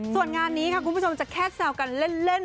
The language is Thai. ส่วนงานนี้ค่ะคุณผู้ชมจะแค่แซวกันเล่น